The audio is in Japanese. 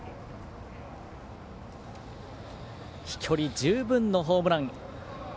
飛距離十分のホームラン。